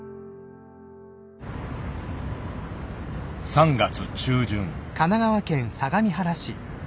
３月中旬。